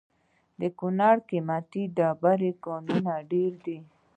د کونړ د قیمتي ډبرو کانونه ډیر دي